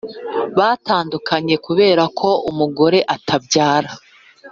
batandukanye kubera ko umugore atabyara